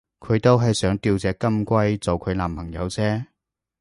佢都係想吊隻金龜做佢男朋友啫